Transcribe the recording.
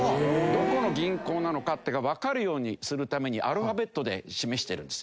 どこの銀行なのかわかるようにするためにアルファベットで示してるんです。